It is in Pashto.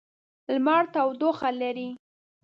لمر تودوخه لري.